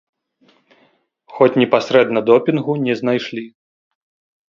Хоць непасрэдна допінгу не знайшлі.